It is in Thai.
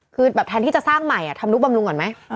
คือแบบแทนที่จะสร้างใหม่ทำนุบำรุงก่อนไหม